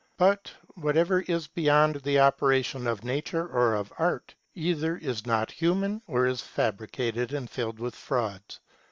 But whatever is beyond the operation of nature or of art, either is not human or is fabricated and filled with frauds.